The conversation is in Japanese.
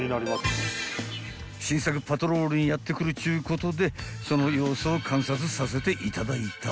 ［新作パトロールにやって来るっちゅうことでその様子を観察させていただいた］